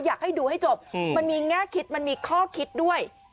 อยากให้ดูให้จบมันมีแง่คิดมันมีข้อคิดด้วย